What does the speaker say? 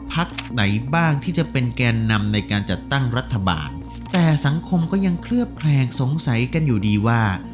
พักไหนบ้างที่จะเป็นแกนนำในการจัดตั้งรัฐบาลแต่สังคมก็ยังเคลือบแคลงสงสัยกันอยู่ดีว่า